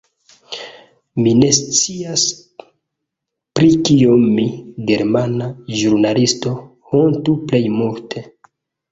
Mi ne scias, pri kio mi, germana ĵurnalisto, hontu plej multe.